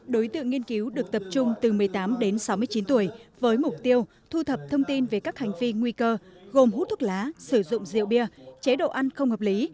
đối tượng nghiên cứu được tập trung từ một mươi tám đến sáu mươi chín tuổi với mục tiêu thu thập thông tin về các hành vi nguy cơ gồm hút thuốc lá sử dụng rượu bia chế độ ăn không hợp lý